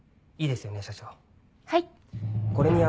いいですよね社長。